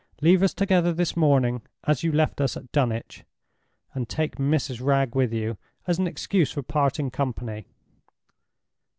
"Leave us together this morning as you left us at Dunwich, and take Mrs. Wragge with you, as an excuse for parting company.